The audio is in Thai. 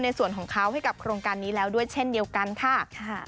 ในส่วนของเขาให้กับโครงการนี้แล้วด้วยเช่นเดียวกันค่ะ